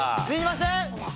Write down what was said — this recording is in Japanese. すみません。